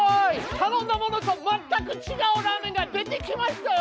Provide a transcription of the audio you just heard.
たのんだものとまったくちがうラーメンが出てきましたよ！